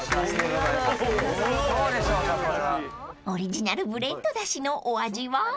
［オリジナルブレンドだしのお味は？］